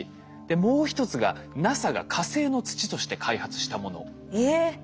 もう一つがＮＡＳＡが火星の土として開発したもの。えっ。